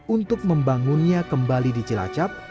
untuk membangunnya kembali di cilacap